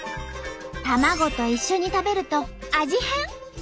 卵と一緒に食べると味変！